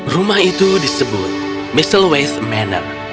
rumah itu disebut mistletoe manor